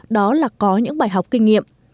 đó là có những bài học kinh nghiệm